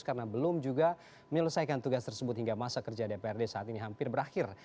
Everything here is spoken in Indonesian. karena belum juga menyelesaikan tugas tersebut hingga masa kerja dprd saat ini hampir berakhir